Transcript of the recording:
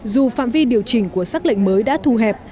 dù phạm vi điều chỉnh của xác lệnh mới đã thu hẹp